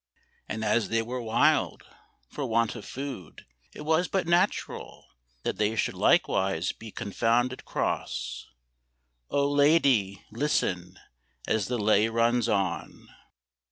And as they were wild For want of food, it was but natural That they should likewise be confounded cross; Oh, lady, listen as the lay runs on!